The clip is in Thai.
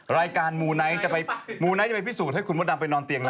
รายการมูไนท์จะไปพิสูจน์ให้คุณมดดำไปนอนเตียงนั้น